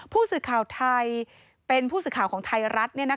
ผู้สื่อข่าวไทยเป็นผู้สื่อข่าวของไทยรัฐ